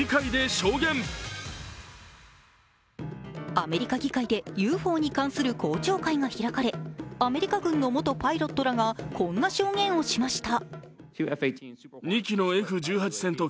アメリカ議会でＵＦＯに関する公聴会が開かれアメリカ軍の元パイロットらがこんな証言をしました。